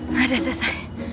nah udah selesai